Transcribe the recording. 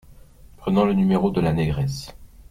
Prenant le numéro de la négresse.